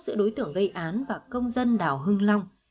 giữa đối tượng gây án và công dân đào hưng long